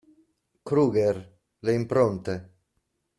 Kruger, le impronte.